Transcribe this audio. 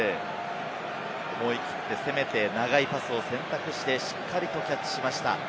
思い切って攻めて、長いパスを選択して、しっかりとキャッチしました。